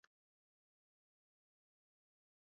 Dunia nzima na inafanya kuwa miongoni mwa wasanii